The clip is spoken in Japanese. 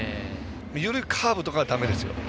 緩いカーブとかはだめですよ。